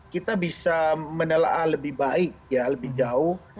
kita bisa menelaah lebih baik ya lebih jauh